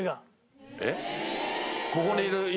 えっ？